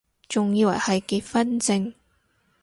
仲以為係結婚証